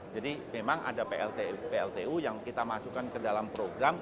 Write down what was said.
jadi memang ada pltu yang kita masukkan ke dalam program